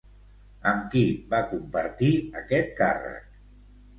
Amb qui va compartir aquest càrrec?